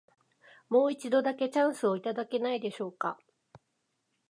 もう一度だけ、チャンスをいただけないでしょうか。